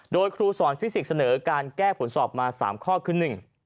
โดยครูสอนฟิสิกส์เสนอการแก้ผลสอบมา๓ข้อคือ๑